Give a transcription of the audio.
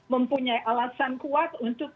mempunyai alasan kuat untuk